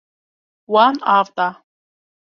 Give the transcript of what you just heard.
Wan av da.